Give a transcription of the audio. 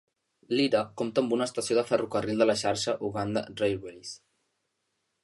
Lira compta amb una estació de ferrocarril de la xarxa Uganda Railways.